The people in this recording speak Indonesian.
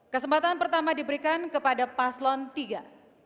kesempatan pertama diberikan kepada paslon tiga